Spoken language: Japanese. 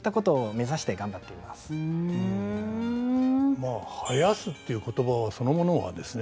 まあ囃すっていう言葉そのものはですね